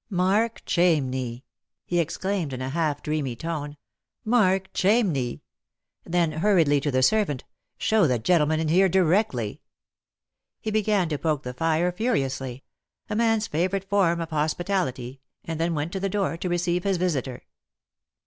" Mark Chamney !" he exclaimed, in a half dreamy tone, " Mark Chamney !" Then hurriedly to the servant, " Show the gentleman in here directly." He began to poke the fire furiously — a man's favourite form of hospitality, and then went to the door to receive his visitor.